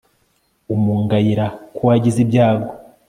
umuganyira ko wagize ibyago